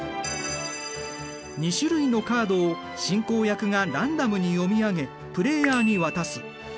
２種類のカードを進行役がランダムに読み上げプレイヤーに渡す。